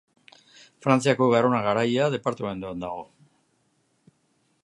Frantziako Garona Garaia departamenduan dago.